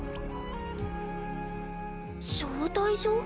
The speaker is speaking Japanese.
招待状？